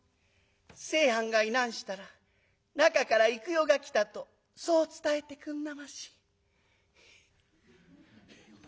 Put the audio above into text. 清はんがいなんしたら吉原から幾代が来たとそう伝えてくんなまし」。